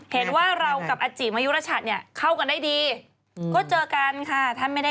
เห็นว่าเรากับอาจิมายุรชัดเข้ากันได้ดีก็เจอกันค่ะ